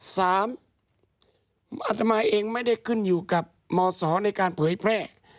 อัตมาเองไม่ได้ขึ้นอยู่กับมศในการเผยแพร่